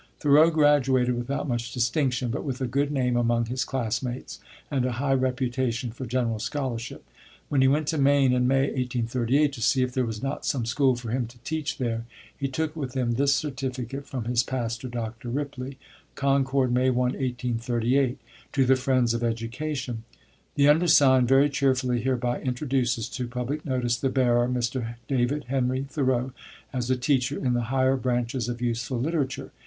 Thoreau graduated without much distinction, but with a good name among his classmates, and a high reputation for general scholarship. When he went to Maine, in May, 1838, to see if there was not some school for him to teach there, he took with him this certificate from his pastor, Dr. Ripley: "CONCORD, May 1, 1838. "TO THE FRIENDS OF EDUCATION, The undersigned very cheerfully hereby introduces to public notice the bearer, Mr. David Henry Thoreau, as a teacher in the higher branches of useful literature.